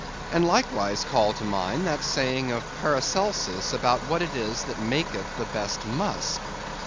And likewise call to mind that saying of Paracelsus about what it is that maketh the best musk.